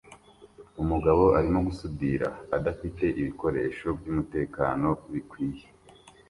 Umugabo arimo gusudira adafite ibikoresho byumutekano bikwiye